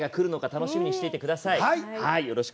楽しみにしていてください。